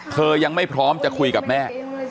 เธอยังไม่พร้อมจะคุยกับแม่